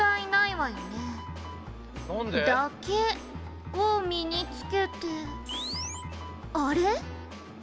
「“だけ”を身につけてあれ？」